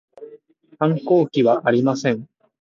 反抗期はありません